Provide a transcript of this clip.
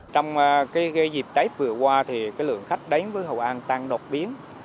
trong cái dịp đáy vừa qua thì cái lượng khách đến với hội an tăng đột biến